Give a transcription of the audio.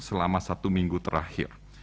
selama satu minggu terakhir